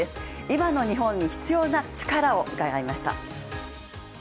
今の日本に必要な力を伺いました。